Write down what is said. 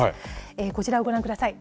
こちらをご覧ください。